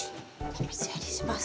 お水やりします。